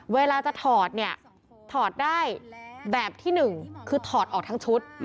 เวลาจะถอดเนี่ยถอดได้แบบที่หนึ่งคือถอดออกทั้งชุด